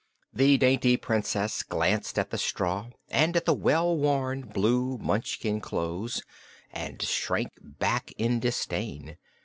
The dainty Princess glanced at the straw and at the well worn blue Munchkin clothes and shrank back in disdain.